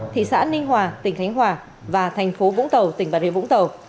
thị xã ninh hòa tỉnh khánh hòa và thành phố vũng tàu tỉnh bản hiệp vũng tàu